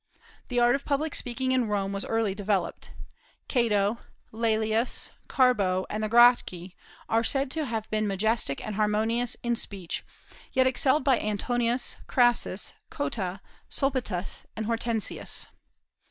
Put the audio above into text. The art of public speaking in Rome was early developed. Cato, Laelius, Carbo, and the Gracchi are said to have been majestic and harmonious in speech, yet excelled by Antonius, Crassus, Cotta, Sulpitius, and Hortensius.